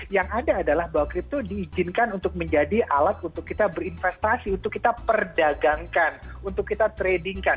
yang ada adalah bahwa kripto diizinkan untuk menjadi alat untuk kita berinvestasi untuk kita perdagangkan untuk kita tradingkan